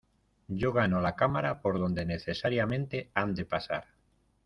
yo gano la cámara por donde necesariamente han de pasar.